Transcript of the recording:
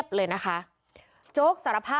พวกมันต้องกินกันพี่